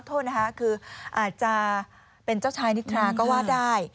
โทษนะคะคืออาจจะเป็นเจ้าชายนิทราก็ว่าได้